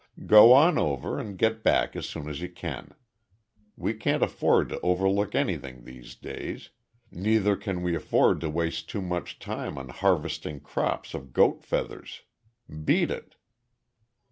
Go on over and get back as soon as you can. We can't afford to overlook anything these days neither can we afford to waste too much time on harvesting crops of goat feathers. Beat it!"